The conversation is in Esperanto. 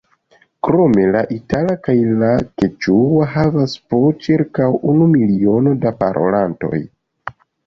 Krome la itala kaj la keĉua havas po ĉirkaŭ unu miliono da parolantoj.